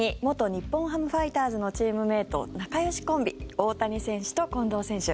日本ハムファイターズのチームメート仲よしコンビ大谷選手と近藤選手。